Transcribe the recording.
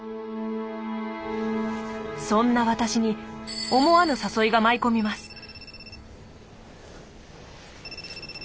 そんな私に思わぬ誘いが舞い込みます。